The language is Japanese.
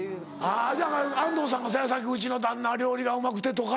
だから安藤さんがそうやさっきうちの旦那は料理がうまくてとか。